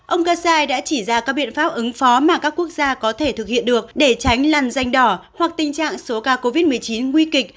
ông gaza đã chỉ ra các biện pháp ứng phó mà các quốc gia có thể thực hiện được để tránh lằn danh đỏ hoặc tình trạng số ca covid một mươi chín nguy kịch